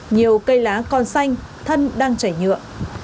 nhiều cây lá còn xanh thân đang chảy nhựa